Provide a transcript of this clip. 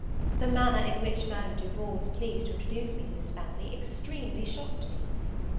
The manner in which Madame Duval was pleased to introduce me to this family extremely shocked me.